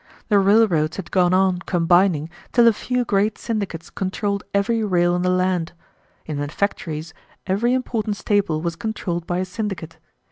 The railroads had gone on combining till a few great syndicates controlled every rail in the land. In manufactories, every important staple was controlled by a syndicate.